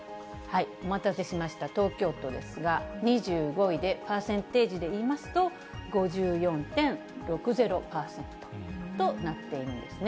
お待たせしました、東京都ですが、２５位でパーセンテージでいいますと、５４．６０％となっているんですね。